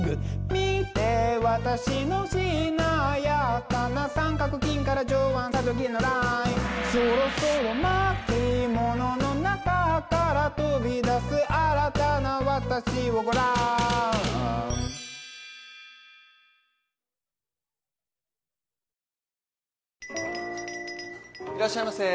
「見て私のしなやかな三角筋から上腕三頭筋へのライン」「そろそろ巻物の中から飛び出す」「新たな私をごらん」いらっしゃいませ。